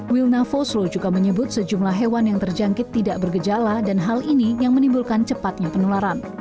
wilna fosro juga menyebut sejumlah hewan yang terjangkit tidak bergejala dan hal ini yang menimbulkan cepatnya penularan